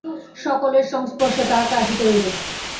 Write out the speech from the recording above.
সকলের সংস্পর্শে তাঁহাকে আসিতে হইবে।